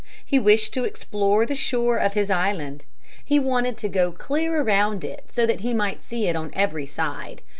He wished to explore the shore of his island. He wanted to go clear around it so that he might see it on every side.